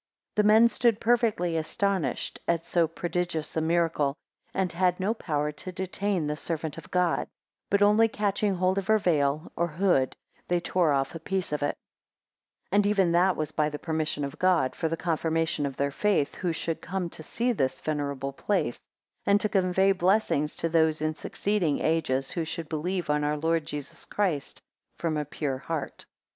13 The men stood perfectly astonished at so prodigious a miracle, and had no power to detain the servant of God; but only catching hold of her veil (or hood), they tore off a piece of it; 14 And even that was by the permission of God, for the confirmation of their faith, who should come to see this venerable place; and to convey blessings to those in succeeding ages, who should believe on our Lord Jesus Christ from a pure heart.